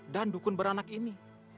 dan dukun beranak ini